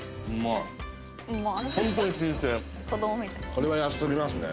これは安過ぎますね。